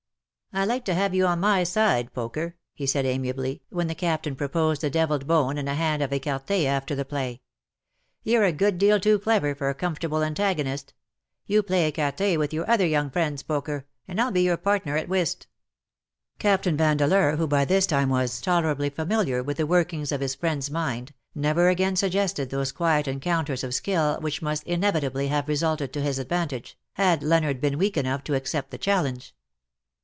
" I like to have you on my side^ Poker/^ he said amiably^ when the captain proposed a devilled bone and a hand at ecarte after the play. " You're a good deal too clever for a comfortable antagonist. You jDlay ecarte with your other young friends, Poker, and I'll be your partner at whist/' Captain Vandeleur, who by this time was toler ably familiar with the workings of his friend's mind^ never again suggested those quiet encounters of skill which must inevitably have resulted to his advantage,, had Leonard been weak enough to accept the challenge.